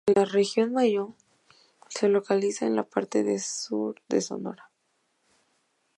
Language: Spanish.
La región mayo se localiza en la parte sur de Sonora.